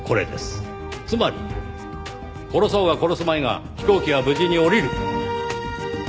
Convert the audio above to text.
つまり殺そうが殺すまいが飛行機は無事に降りる！